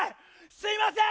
すいません！